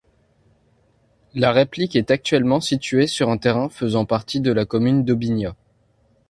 La réplique est actuellement située sur un terrain faisant partie de la commune d'Aubignas.